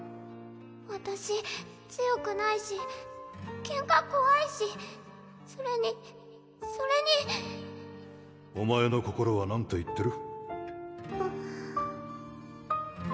わたし強くないしケンカこわいしそれにそれにお前の心は何て言ってる？